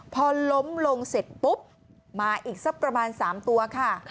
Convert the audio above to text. พอล้มลงเสร็จปุ๊บมาอีกสักประมาณ๓ตัวค่ะ